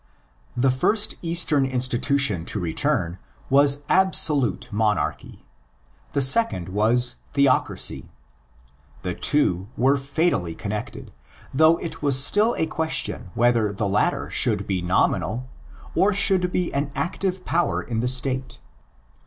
The first Eastern institution to return was absolute monarchy; the second was theocracy.! The two were fatally connected, though it was still a question whether the latter should be nominal or should be an active power in the State.